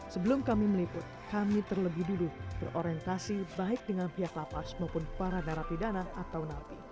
sebelum kami meliput kami terlebih dulu berorientasi baik dengan pihak lapas maupun para narapidana atau napi